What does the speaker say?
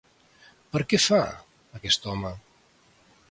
Per què fa, aquest home?